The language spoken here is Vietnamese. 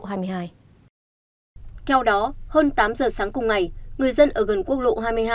theo đó hơn tám giờ sáng cùng ngày người dân ở gần quốc lộ hai mươi hai